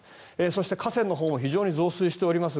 そして河川のほうも非常に増水しております。